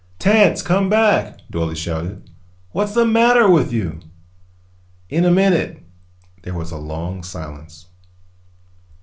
"Tance, come back!" Dorle shouted. "What's the matter with you?" "In a minute." There was a long silence.